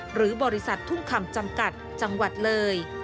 หรือบริษัททุ่งคำจำกัดจังหวัดเลย